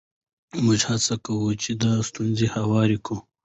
موږ هڅه کوو چې دا ستونزه هواره کړو.